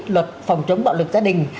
luật phòng chống bạo lực gia đình